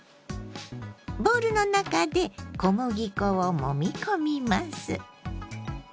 ボウルの中で小麦粉をもみ込みます。